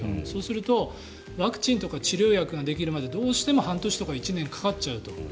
そうするとワクチンとか治療薬ができるまでどうしても半年とか１年かかっちゃうと。